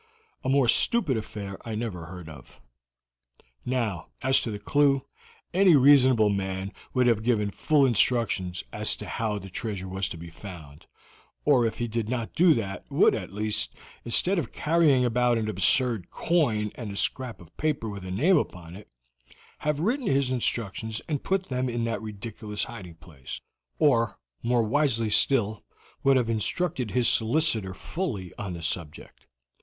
A more stupid affair I never heard of. "Now, as to the clew, any reasonable man would have given full instructions as to how the treasure was to be found; or if he did not do that, would, at least, instead of carrying about an absurd coin and a scrap of paper with a name upon it, have written his instructions and put them in that ridiculous hiding place, or, more wisely still, would have instructed his solicitor fully on the subject.